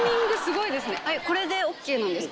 これでＯＫなんですか？